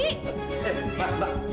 eh mas mbak